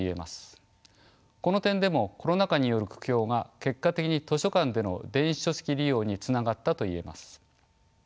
この点でもコロナ禍による苦境が結果的に図書館での電子書籍利用につながったといえます。